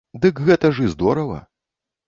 Дык гэта ж і здорава!